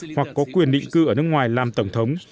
hoặc có quyền định cư ở nước ngoài làm tổng thống